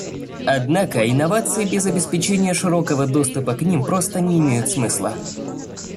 Однако инновации без обеспечения широкого доступа к ним просто не имеют смысла.